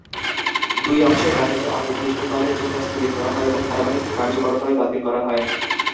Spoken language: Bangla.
দুই অংশের কাহিনী অনির্দিষ্টকালের জন্য স্থগিত করা হয় এবং ধারাবাহিকটি কার্যকরভাবে বাতিল করা হয়।